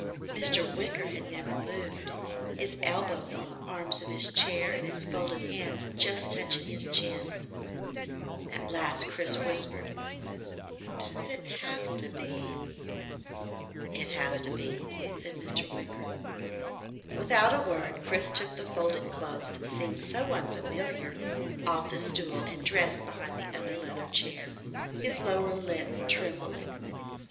Mr. Wicker had never moved, his elbows on the arms of his chair, and his folded hands just touching his chin. At last Chris whispered: "Does it have to be?" "It has to be," said Mr. Wicker. Without a word, Chris took the folded clothes that seemed so unfamiliar off the stool and dressed behind the other leather chair, his lower lip trembling.